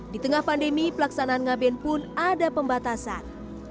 di tengah pandemi pelaksanaan ngaben pun ada pembatasan